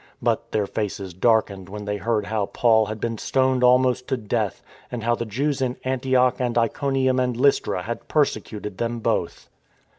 But their faces darkened when they heard how Paul had been stoned almost to death, and how the Jews in Antioch and Iconium and Lystra had persecuted them both.